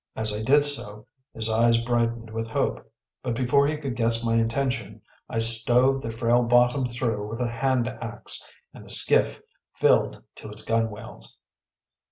As I did so his eyes brightened with hope; but before he could guess my intention, I stove the frail bottom through with a hand axe, and the skiff filled to its gunwales.